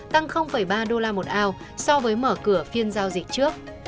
tăng ba đô la một ao so với mở cửa phiên giao dịch trước